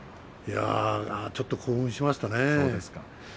ちょっと興奮しましたね。